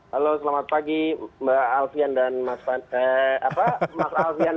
halo selamat pagi mbak alfian dan mbak fani